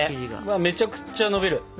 うわめちゃくちゃのびる。